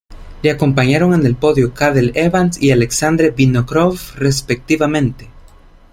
Le acompañaron en el podio Cadel Evans y Alexandre Vinokourov, respectivamente.